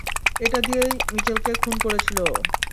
এটা দিয়েই মিচেলকে খুন করেছিল ও।